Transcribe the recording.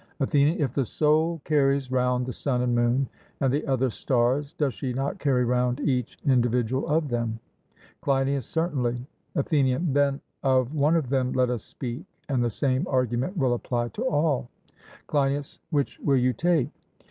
ATHENIAN: If the soul carries round the sun and moon, and the other stars, does she not carry round each individual of them? CLEINIAS: Certainly. ATHENIAN: Then of one of them let us speak, and the same argument will apply to all. CLEINIAS: Which will you take?